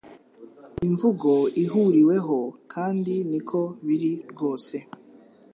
imvugo ihuriweho kandi niko biri rwose